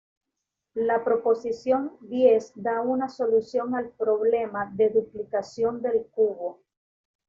La proposición diez da una solución al problema de duplicación del cubo.